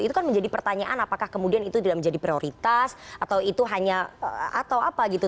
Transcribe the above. itu kan menjadi pertanyaan apakah kemudian itu tidak menjadi prioritas atau itu hanya atau apa gitu